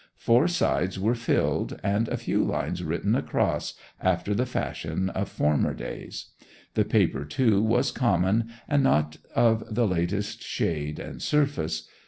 Four sides were filled, and a few lines written across, after the fashion of former days; the paper, too, was common, and not of the latest shade and surface.